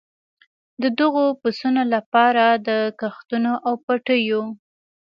د دغو پسونو لپاره د کښتونو او پټیو.